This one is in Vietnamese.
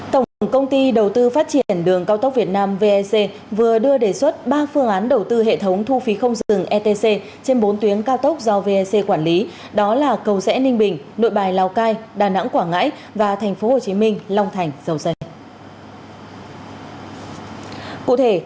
tổng công ty đầu tư phát triển đường cao tốc việt nam vec vừa đưa đề xuất ba phương án đầu tư hệ thống thu phí không dừng etc trên bốn tuyến cao tốc do vec quản lý đó là cầu rẽ ninh bình nội bài lào cai đà nẵng quảng ngãi và tp hcm long thành dầu dây